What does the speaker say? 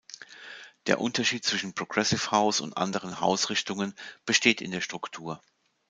Der Unterschied zwischen Progressive House und anderen House-Richtungen besteht in der Struktur.